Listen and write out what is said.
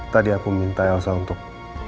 tadi aku minta elsa untuk